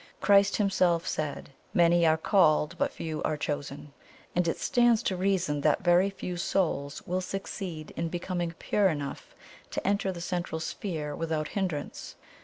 Christ Himself said, 'Many are called, but few are chosen;' and it stands to reason that very few souls will succeed in becoming pure enough to enter the Central Sphere without hindrance.